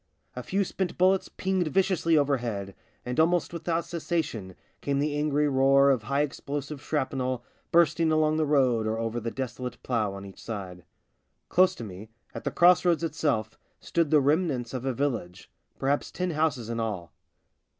A few spent bullets pinged viciously overhead, and almost without cessation came the angry roar of high explosive shrapnel bursting along the road or over the desolate plough on each side. Close to me, at the cross roads itself, stood the remnants of a village — perhaps ten houses in all.